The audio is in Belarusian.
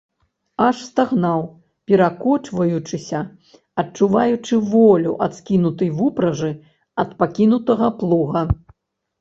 Аж стагнаў, перакочваючыся, адчуваючы волю ад скінутай вупражы, ад пакінутага плуга.